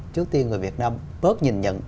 trước tiên người việt nam bớt nhìn nhận